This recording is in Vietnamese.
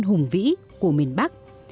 hùng vĩ của miền bắc